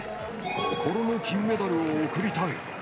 心の金メダルを贈りたい。